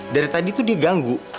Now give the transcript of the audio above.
dari tadi itu dia ganggu